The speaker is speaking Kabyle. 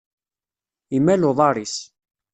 Imal uḍar-is.